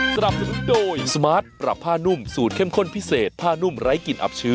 สวัสดีครับ